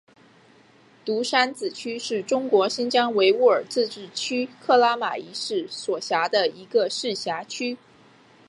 独山子区是中国新疆维吾尔自治区克拉玛依市所辖的一个市辖区。